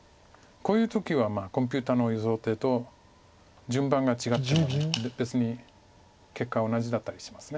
こういう時はコンピューターの予想手と順番が違っても別に結果は同じだったりします。